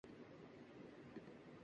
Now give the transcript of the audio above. عجب کیا گر مہ و پرویں مرے نخچیر ہو جائیں